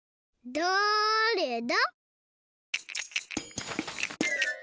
だれだ？